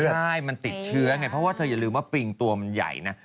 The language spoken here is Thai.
ใช่มันติดเชื้อไงเพราะว่าเธออย่าลืมว่าปริงตัวมันใหญ่นะ